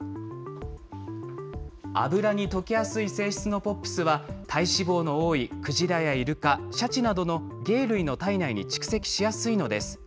脂に溶けやすい性質のＰＯＰｓは、体脂肪の多いクジラやイルカ、シャチなどの鯨類の体内に蓄積しやすいのです。